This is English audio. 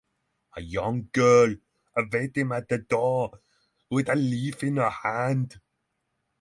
A young girl awaits him at the door with a leaf in her hand.